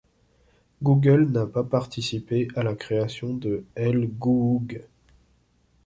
Google n'a pas participé à la création de elgooG.